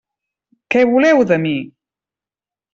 Què voleu de mi?